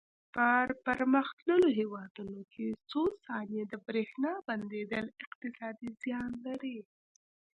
په پرمختللو هېوادونو کې څو ثانیې د برېښنا بندېدل اقتصادي زیان لري.